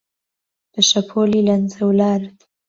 بە شەپۆلی لەنجەولارت